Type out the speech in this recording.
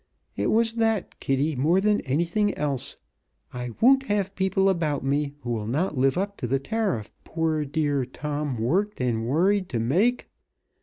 It was that, Kitty, more than anything else. I won't have people about me who will not live up to the tariff poor dear Tom worked and worried to make!